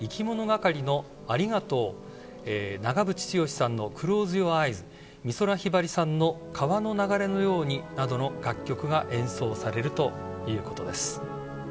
がかりの「ありがとう」長渕剛さんの「ＣＬＯＳＥＹＯＵＲＥＹＥＳ」美空ひばりさんの「川の流れのように」などの楽曲が演奏されるということです。